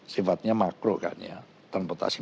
sifatnya makro kan ya transportasi